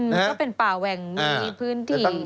ก็เป็นป่าแหว่งพื้นที่บ้านอยู่